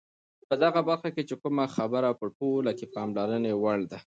په دغه برخه کې چې کومه خبره په ټوله کې د پاملرنې وړ ده،